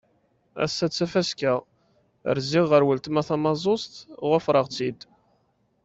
Ass-a d tafaska, rziɣ ɣer uletma tamaẓuẓt, ɣufreɣ-tt-id.